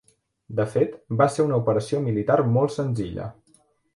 De fet, va ser una operació militar molt senzilla.